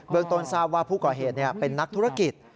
เบื้องตนทราบว่าผู้เกาะเหตุเป็นนักธุรกิจ